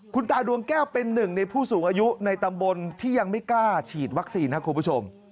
คุณตาดวงแก้วเป็นหนึ่งในผู้สูงอายุในตำบลที่ยังไม่กล้าฉีดวัคซีนครับคุณผู้ชม